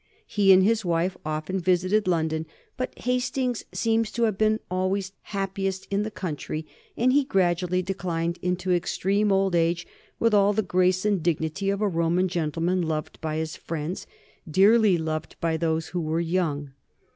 He and his wife often visited London, but Hastings seems to have been always happiest in the country, and he gradually declined into extreme old age with all the grace and dignity of a Roman gentleman, loved by his friends, dearly loved by those who were young.